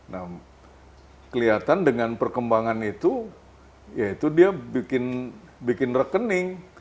nah kelihatan dengan perkembangan itu ya itu dia bikin rekening